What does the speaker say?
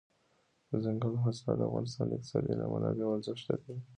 دځنګل حاصلات د افغانستان د اقتصادي منابعو ارزښت زیاتوي.